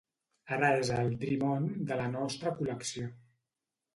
Ara és el "Dream On" de la nostra col·lecció.